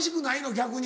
逆に。